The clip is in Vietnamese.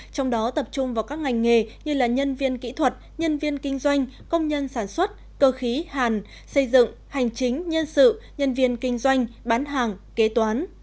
trong đó tập trung vào các ngành nghề như nhân viên kỹ thuật nhân viên kinh doanh công nhân sản xuất cơ khí hàn xây dựng hành chính nhân sự nhân viên kinh doanh bán hàng kế toán